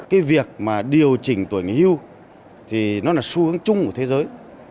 cái việc mà điều chỉnh tuổi nghỉ hưu thì nó là xu hướng chung của thế giới